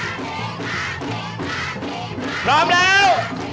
พร้อมแล้ว